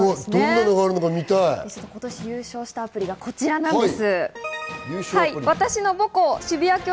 今年優勝したアプリがこちらなんです。